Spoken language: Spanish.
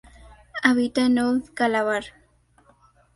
Habita en Old Calabar.